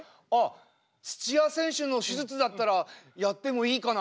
土谷選手の手術だったらやってもいいかな。